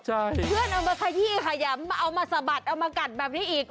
เพื่อนเอามาขยี้ขยำเอามาสะบัดเอามากัดแบบนี้อีก